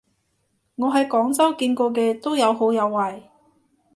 我喺廣州見過嘅都有好有壞